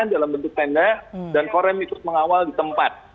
dalam bentuk tenda dan korem ikut mengawal di tempat